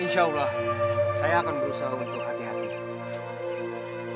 insya allah saya akan berusaha untuk hati hati